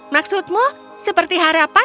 maksudmu seperti harapan